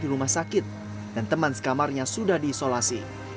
di rumah sakit dan teman sekamarnya sudah diisolasi